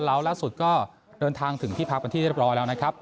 แล้วล่าสุดก็เดินทางถึงที่พักเป็นที่เรียบร้อยแล้วนะครับ